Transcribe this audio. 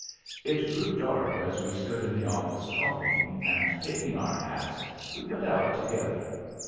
It grew dark as we stood in the office talking, and taking our hats we went out together.